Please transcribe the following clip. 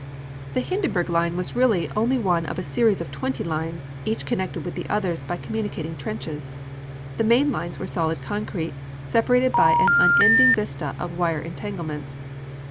The Hindenburg line was really only one of a series of twenty lines, each connected with the others by communicating trenches. The main lines were solid concrete, separated by an unending vista of wire entanglements.